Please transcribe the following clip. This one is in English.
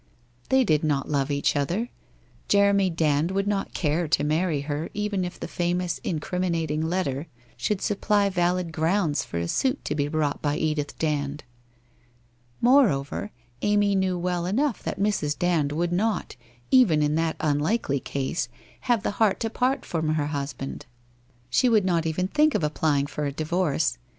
They did not love each other. Jeremy Dand would not care to marry her even if the famous incriminating letter should supply valid grounds for a suit to be brought by Edith Dand. Moreover, Amy knew well enough that Mrs. Dand would not, even in that unlikely ease, have the heart to part from her husband. She would not even think of applying for a divorce.